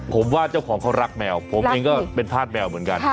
ผมว่าเจ้าของเขารักแมวผมเองก็เป็นธาตุแมวเหมือนกัน